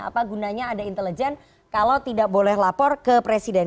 apa gunanya ada intelijen kalau tidak boleh lapor ke presiden